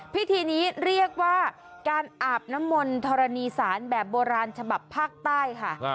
พิธีนี้เรียกว่าการอาบน้ำมนธรณีศาลแบบโบราณฉบับภาคใต้ค่ะ